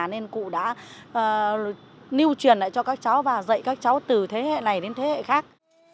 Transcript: nên cụ đã lưu truyền lại cho các cháu và dạy các cháu từ thế hệ này đến thế hệ khác